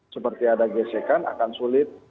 seperti ada gesekan akan sulit